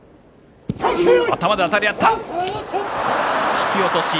引き落とし。